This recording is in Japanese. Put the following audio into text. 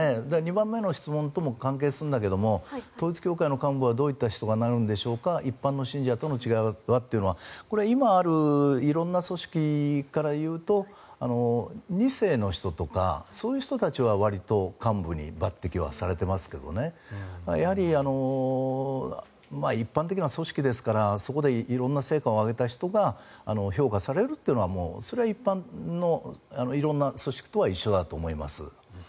２番目の質問とも関係するんだけど統一教会の幹部はどういった人がなるんでしょうか一般の信者との違いはというのはこれは今ある色んな組織からいうと２世の人とかそういう人たちはわりと幹部に抜てきはされてますけどねやはり一般的な組織ですからそこで色んな成果を上げた人が評価されるというのはそれは一般の色んな組織とは一緒だと思います。